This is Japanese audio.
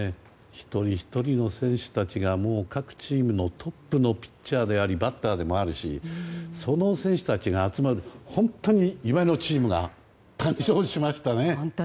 一人一人の選手たちが各チームのトップのピッチャーでありバッターでもあるしその選手たちが集まる本当に夢のチームが誕生しましたね。